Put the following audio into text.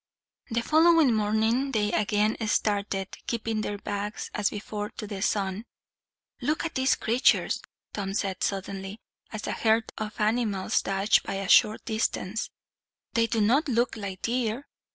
The following morning they again started, keeping their backs, as before, to the sun. "Look at these creatures," Tom said suddenly, as a herd of animals dashed by at a short distance. "They do not look like deer."